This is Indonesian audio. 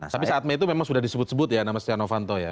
tapi saat mei itu memang sudah disebut sebut ya nama setia novanto ya